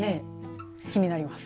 気になります。